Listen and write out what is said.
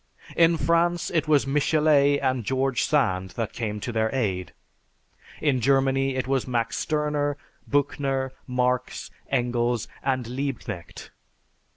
In France it was Michelet and George Sand that came to their aid. In Germany it was Max Sterner, Büchner, Marx, Engels, and Liebknecht.